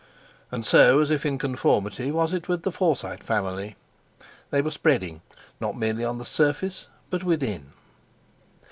And so, as if in conformity, was it with the Forsyte family. They were spreading not merely on the surface, but within.